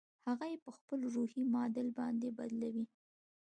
هغه يې په خپل روحي معادل باندې بدلوي.